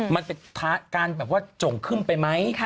มันเป็นการจงขึ้นไปไหม